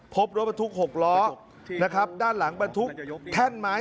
พบรถบทุกข์หกล้อด้านหลังบทุกข์แท่นไม้